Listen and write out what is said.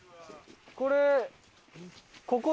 これ。